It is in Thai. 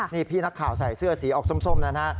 นี่พี่นักข่าวใส่เสื้อสีออกส้มนะฮะ